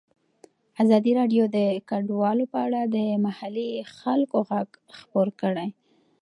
ازادي راډیو د کډوال په اړه د محلي خلکو غږ خپور کړی.